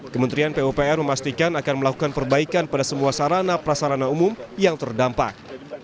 kementerian pupr memastikan akan melakukan perbaikan pada semua sarana prasarana umum yang terdampak